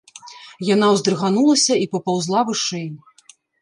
Яна ўздрыганулася і папаўзла вышэй.